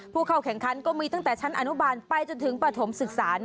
ผู้เข้าแข่งขันก็มีตั้งแต่ชั้นอนุบาลไปจนถึงปฐมศึกษา